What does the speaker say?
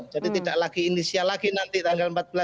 jadi tidak lagi inisial lagi nanti tanggal empat belas lima belas itu